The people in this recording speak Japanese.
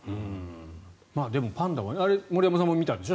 でも、パンダは森山さんも見たんでしょ？